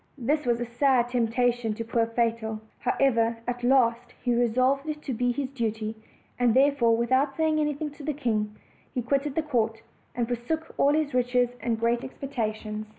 This was a sad temptation to poor Fatal. However, at last he resolved to do his duty; and therefore, without saying anything to the king, he quitted the court, and forsook all his riches and great expecta tions.